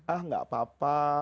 ah tidak apa apa